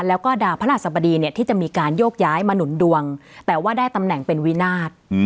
แล้วก็ดาวพระราชสบดีเนี่ยที่จะมีการโยกย้ายมาหนุนดวงแต่ว่าได้ตำแหน่งเป็นวินาท